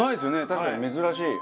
確かに珍しい。